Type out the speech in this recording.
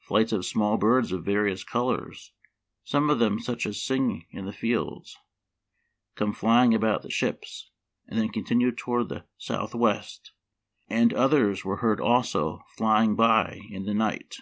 Flights of small birds of various colors, some of them such as sing in the fields, came fly ing about the ships, and then continued toward the south west, and others were heard also flying by in the night.